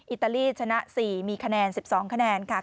อิตาลีชนะ๔มีคะแนน๑๒คะแนนค่ะ